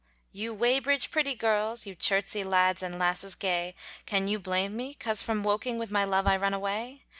You Weybridge pretty girls, You Chertsey lads and lasses gay, Can you blame me 'cause from Woking With my love I run away?